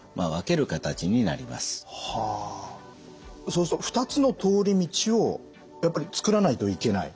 そうすると２つの通り道をやっぱり作らないといけない？